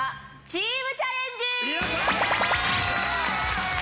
チームチャレンジ！